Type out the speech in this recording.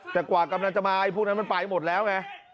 แต่กว่ากำลังจะมาไอ้พวกนั้นมันไปหมดแล้วไง